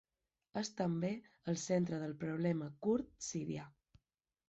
És també el centre del problema kurd sirià.